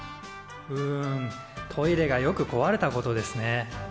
うんトイレがよくこわれたことですね。